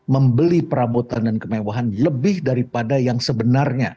membeli perabotan dan kemewahan lebih daripada yang sebenarnya